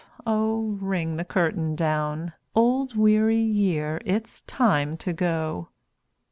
Oh, ring the curtain down! Old weary year! it's time to go.